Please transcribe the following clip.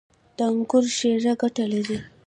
• د انګورو شیره ګټه لري.